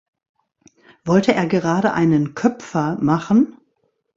Wollte er gerade einen Köpfer machen?